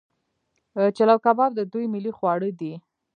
چلو کباب د دوی ملي خواړه دي.